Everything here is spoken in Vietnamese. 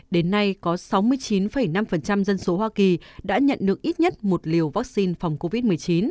đến nay có sáu mươi chín năm dân số hoa kỳ đã nhận được ít nhất một liều vaccine phòng covid một mươi chín